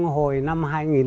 hồi năm hai nghìn bảy